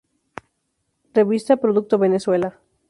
Revista Producto Venezuela.